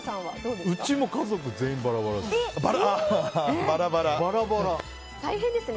うちも家族全員バラバラです。